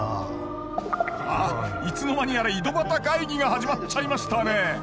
あいつの間にやら井戸端会議が始まっちゃいましたね